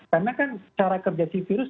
karena kan cara kerjasi virus